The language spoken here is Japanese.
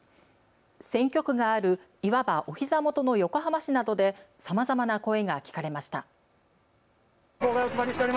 選挙区があるいわばおひざ元の横浜市などでさまざまな声が聞かれました。